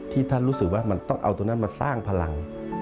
ท่านรู้สึกว่ามันต้องเอาตรงนั้นมาสร้างพลัง